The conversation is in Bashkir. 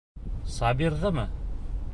Сабирҙымы?